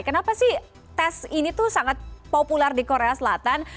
kenapa sih tes ini tuh sangat populer di korea selatan